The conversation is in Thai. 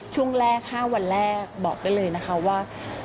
ช่วงแรก๕วันแรกบอกได้เลยนะคะว่า